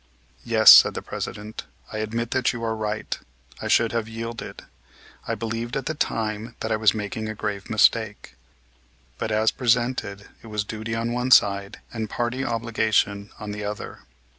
"Yes," said the President, "I admit that you are right. I should not have yielded. I believed at the time that I was making a grave mistake. But as presented, it was duty on one side, and party obligation on the other.